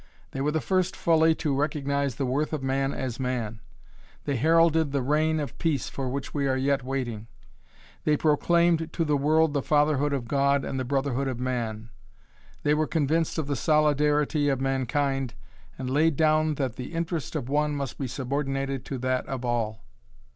They were the first fully to recognise the worth of man as man; they heralded the reign of peace for which we are yet waiting; they proclaimed to the world the fatherhood of God and the brotherhood of man; they were convinced of the solidarity of mankind, and laid down that the interest of one must be subordinated to that of all.